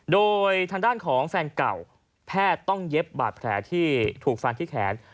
โดยทางด้านของแฟนเก่าแพทย์ต้องเย็บบาดแผลที่ถูกฟันที่แขน